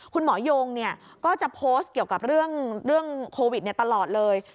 คุณหมอยงก็จะโพสต์เกี่ยวกับเรื่องโควิดตลอดเลย